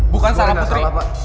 bukan salah putri